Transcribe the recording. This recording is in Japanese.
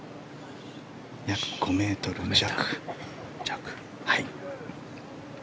約５ｍ弱。